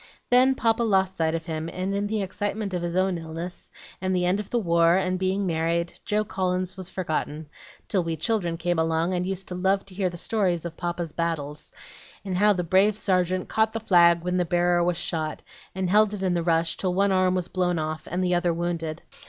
Then Papa lost sight of him, and in the excitement of his own illness, and the end of the war, and being married, Joe Collins was forgotten, till we children came along, and used to love to hear the story of Papa's battles, and how the brave sergeant caught the flag when the bearer was shot, and held it in the rush till one arm was blown off and the other wounded.